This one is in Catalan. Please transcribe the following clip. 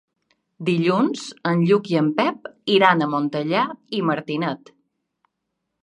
Dilluns en Lluc i en Pep iran a Montellà i Martinet.